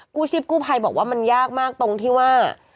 ชีพกู้ภัยบอกว่ามันยากมากตรงที่ว่า